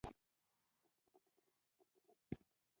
د "ج" حرف د ژبې برخه ده.